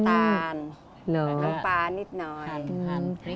ตาลน้ำปลานิดหน่อย